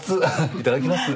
いただきます。